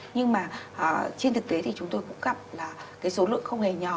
nhưng mà trên thực tế thì chúng tôi cũng gặp là cái số lượng không hề nhỏ